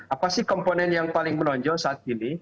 apa sih komponen yang paling menonjol saat ini